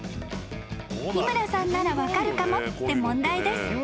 ［日村さんなら分かるかもって問題です］